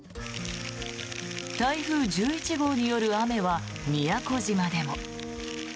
台風１１号による雨は宮古島でも。